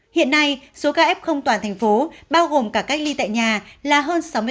hiện nay số ca f toàn thành phố bao gồm cả cách ly tại nhà là hơn sáu mươi bốn f